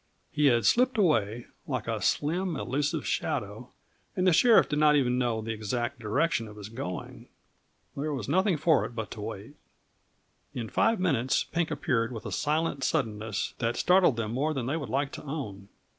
He had slipped away, like a slim, elusive shadow, and the sheriff did not even know the exact direction of his going. There was nothing for it but to wait. In five minutes Pink appeared with a silent suddenness that startled them more than they would like to own.